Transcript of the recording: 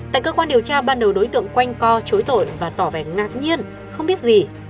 tại cơ quan điều tra ban đầu đối tượng quanh co chối tội và tỏ vẻ ngạc nhiên không biết gì